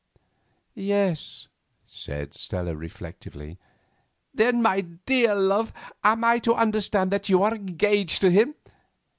"Yes," said Stella reflectively. "Then, my dear love, am I to understand that you are engaged to him?"